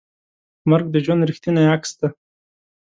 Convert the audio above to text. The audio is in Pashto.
مرګ د ژوند ریښتینی عکس دی.